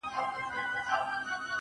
دې لېوني ماحول کي ووایه پر چا مئين يم~